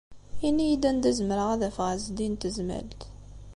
Ini-iyi-d anda i zemreɣ ad afeɣ Ɛezdin n Tezmalt.